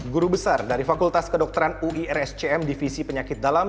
guru besar dari fakultas kedokteran uirscm divisi penyakit dalam